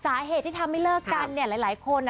สาเหตุที่ทำให้เลิกกันเนี่ยหลายคน